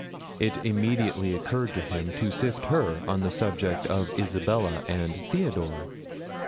It immediately occurred to him to sift her on the subject of Isabella and Theodore.